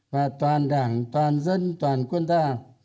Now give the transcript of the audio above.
và toàn đảng toàn dân toàn quân ta